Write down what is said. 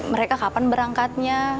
mereka kapan berangkatnya